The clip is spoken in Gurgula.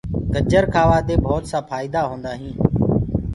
گرجر کآوآ دي ڀوتسآ ڦآئيدآ هوندآ هينٚ۔